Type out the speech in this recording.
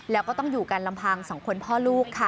แล้วก็ต้องอยู่กันลำพังสองคนพ่อลูกค่ะ